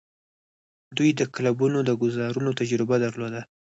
دوی د کیبلونو د ګوزارونو تجربه درلوده.